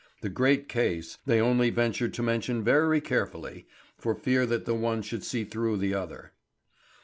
The great case they only ventured to mention very carefully, for fear that the one should see through the other.